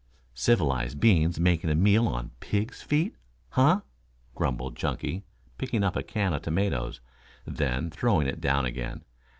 "Civilized beings making a meal on pigs' feet! Huh!" grumbled Chunky, picking up a can of tomatoes, then throwing it down again.